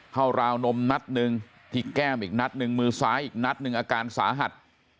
ราวนมนัดหนึ่งที่แก้มอีกนัดหนึ่งมือซ้ายอีกนัดหนึ่งอาการสาหัส